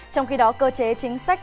trong khi đó cơ chế chính sách